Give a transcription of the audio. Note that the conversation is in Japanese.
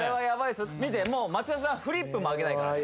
見てもう松也さんフリップも上げないからね